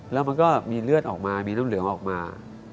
แล้วมันก็มีเลือดออกมามีน้ำเหลืองออกมา